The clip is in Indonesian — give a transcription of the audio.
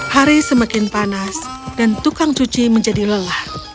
hari semakin panas dan tukang cuci menjadi lelah